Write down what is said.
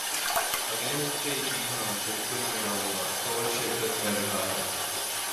اگلے ہفتے؟ جی ہاں، بالکل میں آئوں گا. کون شرکت کر رہا ہے؟